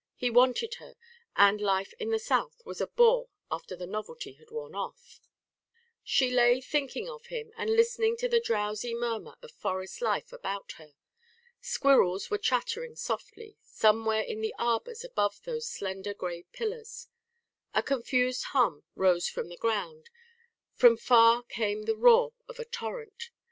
He wanted her, and life in the South was a bore after the novelty had worn off. She lay thinking of him, and listening to the drowsy murmur of forest life about her. Squirrels were chattering softly, somewhere in the arbours above those slender grey pillars. A confused hum rose from the ground; from far came the roar of a torrent.